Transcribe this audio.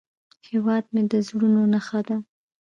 هیواد مې د زړونو نخښه ده